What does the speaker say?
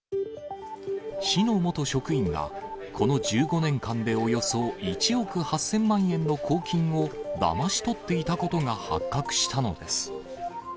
市の元職員が、この１５年間でおよそ１億８０００万円の公金をだまし取っていたことが発覚したのです。